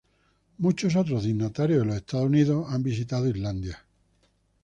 Muchos otros dignatarios de los Estados Unidos han visitado Islandia.